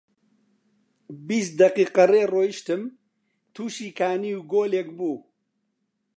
بیست دەقیقە ڕێ ڕۆیشتم، تووشی کانی و گۆلێک بوو